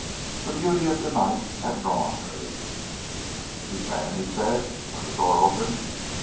The beauty of the night had drawn her. "Suzanne!" he said, when the door opened.